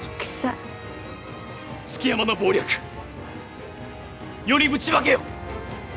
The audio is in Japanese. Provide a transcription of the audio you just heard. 築山の謀略世にぶちまけよ！